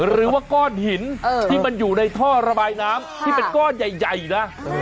หรือว่าก้อนหินที่มันอยู่ในท่อระบายน้ำที่เป็นก้อนใหญ่นะ